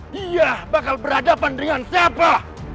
dia bakal berhadapan dengan siapa